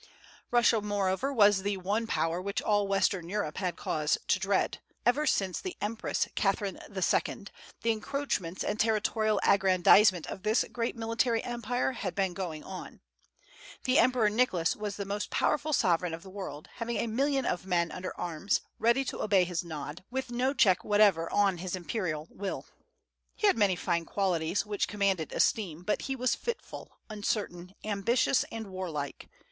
Russia, moreover, was the one power which all western Europe had cause to dread. Ever since the Empress Catherine II., the encroachments and territorial aggrandizement of this great military empire had been going on. The Emperor Nicholas was the most powerful sovereign of the world, having a million of men under arms, ready to obey his nod, with no check whatever on his imperial will. He had many fine qualities, which commanded esteem; but he was fitful, uncertain, ambitious, and warlike.